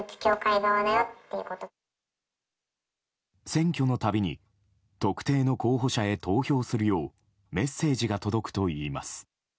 選挙の度に特定の候補者へ投票するようメッセージが届くといいます。